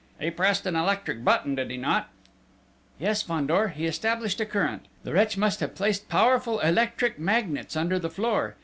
"He pressed an electric button, did he not?" "Yes, Fandor, he established a current!... The wretch must have placed powerful electric magnets under the floor